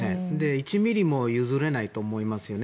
１ｍｍも譲れないと思いますよね。